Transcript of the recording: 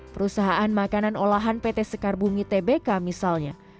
perusahaan makanan olahan pt sekar bumi tbk misalnya